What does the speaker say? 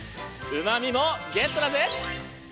うまみもゲットだぜ！